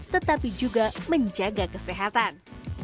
tetapi juga menjaga kesehatan